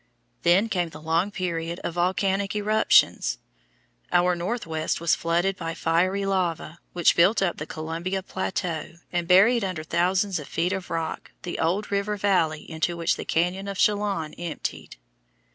Then came the long period of volcanic eruptions. Our Northwest was flooded by fiery lava, which built up the Columbia plateau and buried under thousands of feet of rock the old river valley into which the cañon of Chelan emptied.